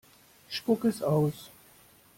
Spuck es aus!